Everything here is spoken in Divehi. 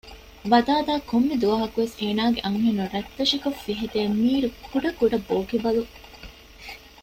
ވަދާދާ ކޮންމެ ދުވަހަކު އޭނާގެ އަންހެނުން ރަތްތޮށިކޮށް ފިހެދޭ މީރު ކުޑަކުޑަ ބޯކިބަލު